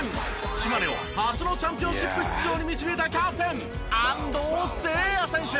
島根を初のチャンピオンシップ出場に導いたキャプテン安藤誓哉選手。